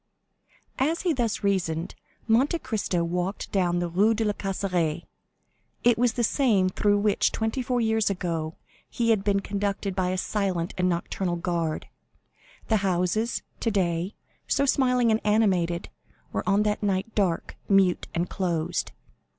As he thus reasoned, Monte Cristo walked down the Rue de la Caisserie. It was the same through which, twenty four years ago, he had been conducted by a silent and nocturnal guard; the houses, today so smiling and animated, were on that night dark, mute, and closed.